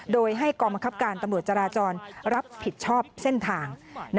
โดยให้กองบังคับการตำรวจจราจรรับผิดชอบเส้นทาง